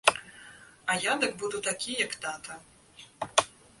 А я дык буду такі, як тата.